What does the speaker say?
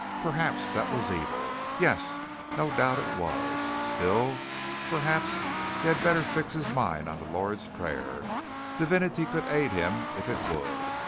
Perhaps that was evil? Yes, no doubt it was. Still Perhaps he had better fix his mind on the Lord's Prayer. Divinity could aid him if it would.